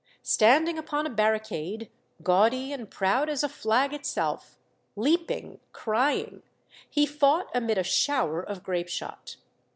Standing upon a barricade, gaudy and proud as a flag itself, leaping, crying, he fought amid a shower of grapeshot.